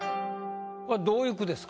どういう句ですか？